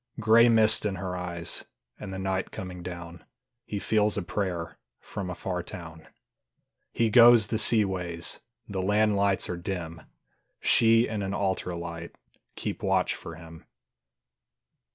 Gray mist in her eyes And the night coming down: He feels a prayer From a far town. He goes the sea ways, The land lights are dim; She and an altar light Keep watch for him.